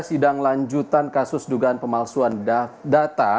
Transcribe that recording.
sidang lanjutan kasus dugaan pemalsuan data